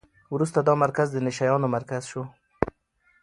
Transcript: وروسته دا مرکز د نشه یانو مرکز شو.